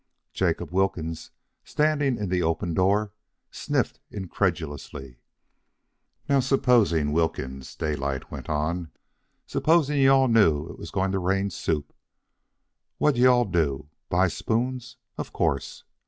Jacob Wilkins, standing in the open door, sniffed incredulously. "Now supposing, Wilkins," Daylight went on, "supposing you all knew it was going to rain soup. What'd you all do? Buy spoons, of course.